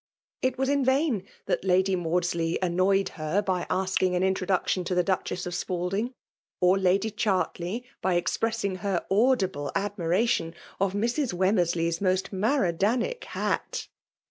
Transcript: . Jt vm' in vain that Lady Mandsley annoyed h«r \ty asking an introduction to the Duchess of Siding, or Lady Chartloy.by expressing her audible admiration of Mrs. Wemmcrsleys most Maradanic hat.